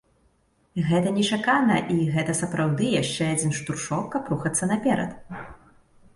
Гэта нечакана, і гэта сапраўды яшчэ адзін штуршок, каб рухацца наперад.